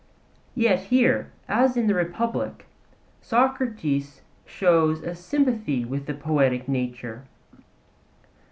Yet here, as in the Republic, Socrates shows a sympathy with the poetic nature.